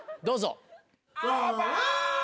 どうぞ。